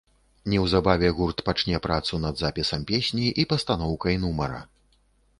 Неўзабаве гурт пачне працу над запісам песні і пастаноўкай нумара.